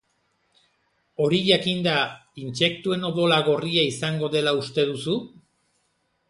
Hori jakinda, intsektuen odola gorria izango dela uste duzu?